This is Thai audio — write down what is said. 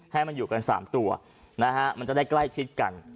ให้มันอยู่กัน๓ตัวนะฮะมันจะได้ใกล้ชิดกัน